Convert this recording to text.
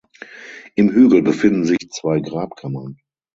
Im Hügel befinden sich zwei Grabkammern.